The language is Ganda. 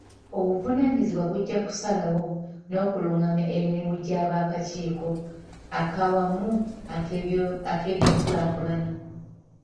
Obuvunaanyizibwa bujja kusalawo n'okulungamya emirimu gy'akakiiko ak'awamu ak'ebyenkulaakulana.